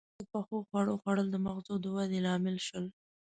• د پخو خوړو خوړل د مغزو د ودې لامل شول.